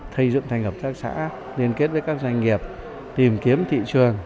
xây dựng thành hợp tác xã liên kết với các doanh nghiệp tìm kiếm thị trường